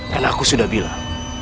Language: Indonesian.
karena aku sudah bilang